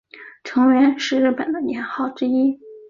承元是日本的年号之一。